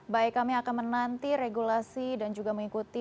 baik kami akan menanti regulasi dan juga mengikuti